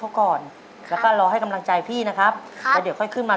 อันนี้ใครจะเป็นคนร้องก่อนครับ